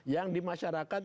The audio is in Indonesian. yang di masyarakat